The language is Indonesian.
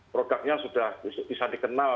produknya sudah bisa dikenal